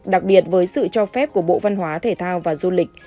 đặc biệt với sự cho phép của bộ văn hóa thể thao và du lịch